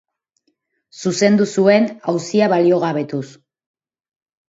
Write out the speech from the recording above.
Zuzendu zuen, auzia baliogabetuz.